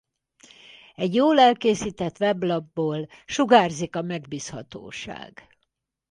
Egy jól elkészített weblapból sugárzik a megbízhatóság.